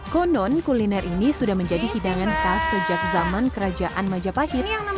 konon kuliner ini sudah menjadi hidangan khas sejak zaman kerajaan majapahit